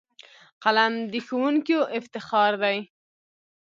قلم د ښوونکیو افتخار دی